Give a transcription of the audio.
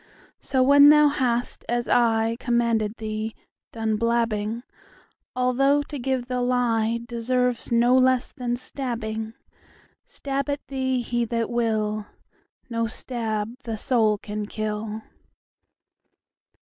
So when thou hast, as ICommanded thee, done blabbing,—Although to give the lieDeserves no less than stabbing,—Stab at thee he that will, No stab the soul can kill.